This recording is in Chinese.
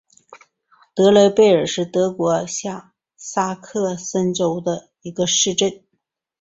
德雷贝尔是德国下萨克森州的一个市镇。